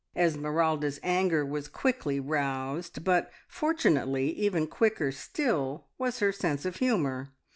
Esmeralda's anger was quickly roused, but fortunately even quicker still was her sense of humour.